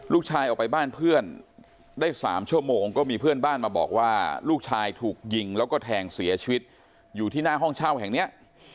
ลูกชายออกไปบ้านเพื่อนได้๓ชั่วโมงก็มีเพื่อนบ้านมาบอกว่าลูกชายถูกยิงแล้วก็แทงเสียชีวิตอยู่ที่หน้าห้องเช่าแห่งเนี้ย